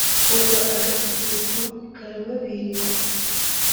Ubwo agasusuruko karababiriye